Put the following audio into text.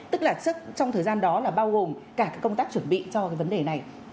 tức là trong thời gian đó là bao gồm cả công tác chuẩn bị cho cái vấn đề này